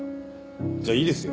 じゃいいですよ